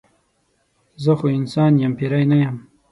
زه خو انسان یم پیری نه یم.